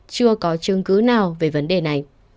chưa có chứng cứ nào về vấn đề này